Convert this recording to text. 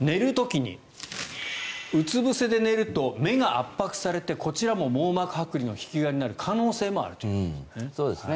寝る時にうつぶせで寝ると目が圧迫されてこちらも網膜はく離の引き金になる可能性もあるということです。